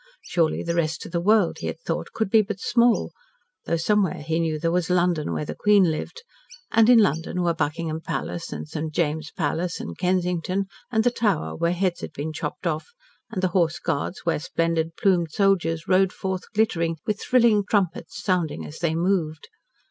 Surely the rest of the world, he had thought, could be but small though somewhere he knew there was London where the Queen lived, and in London were Buckingham Palace and St. James Palace and Kensington and the Tower, where heads had been chopped off; and the Horse Guards, where splendid, plumed soldiers rode forth glittering, with thrilling trumpets sounding as they moved.